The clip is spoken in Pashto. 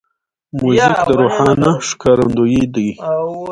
موزیک د روحانه ښکارندوی دی.